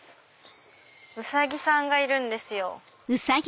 ウサギさんがいるんですよ。